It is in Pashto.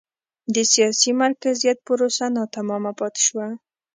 د سیاسي مرکزیت پروسه ناتمامه پاتې شوه.